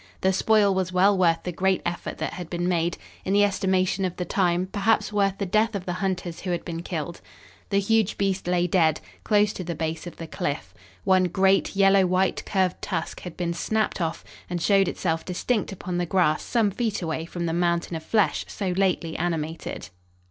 The spoil was well worth the great effort that had been made; in the estimation of the time, perhaps worth the death of the hunters who had been killed. The huge beast lay dead, close to the base of the cliff. One great, yellow white, curved tusk had been snapped off and showed itself distinct upon the grass some feet away from the mountain of flesh so lately animated.